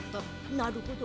なるほど。